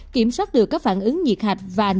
kiểm soát được các phản ứng nhiệt hạch và ảnh hưởng